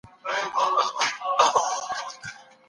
علم انسان له ناپوهۍ ژغوري.